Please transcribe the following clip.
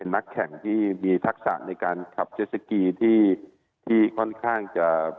นักแข่งที่มีทักษะในการขับเจ็ดสกีที่ค่อนข้างจะ